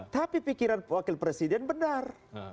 tapi pikiran wakil presiden benar